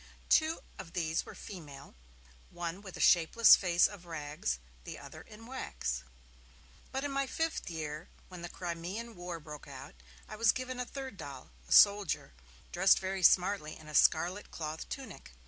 Two of these were female, one with a shapeless face of rags, the other in wax. But, in my fifth year, when the Crimean War broke out, I was given a third doll, a soldier, dressed very smartly in a scarlet cloth tunic.